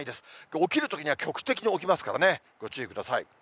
起きるときには局地的に起きますからね、ご注意ください。